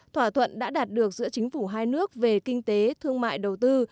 thỏa thuận đã đạt được giữa chính phủ hai nước về kinh tế thương mại đầu tư